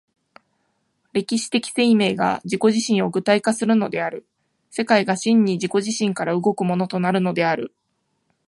歴史的生命が自己自身を具体化するのである、世界が真に自己自身から動くものとなるのである。